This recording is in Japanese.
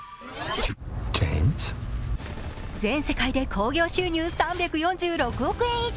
全世界で興行収入３４６億円以上。